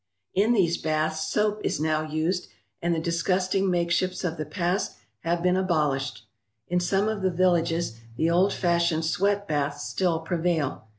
In these baths soap is now used, and the disgusting makeshifts of the past have been abolished. In some of the villages the old fashioned sweat baths still prevail.